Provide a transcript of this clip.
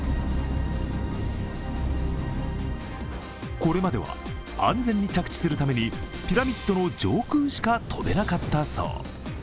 これまでは安全に着地するためにピラミッドの上空しか飛べなかったそう。